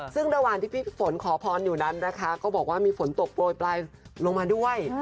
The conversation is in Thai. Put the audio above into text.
ซึ่งระหว่างที่พี่ฝนขอพรอยู่นั้นนะคะก็บอกว่ามีฝนตกโปรยปลายลงมาด้วย